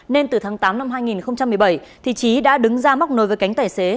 nên từ tháng tám năm hai nghìn một mươi bảy trí đã đứng ra móc nối với cánh tài xế